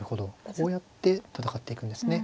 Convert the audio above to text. こうやって戦っていくんですね。